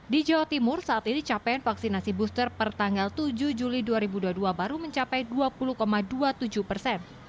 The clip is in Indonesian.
di jawa timur saat ini capaian vaksinasi booster per tanggal tujuh juli dua ribu dua puluh dua baru mencapai dua puluh dua puluh tujuh persen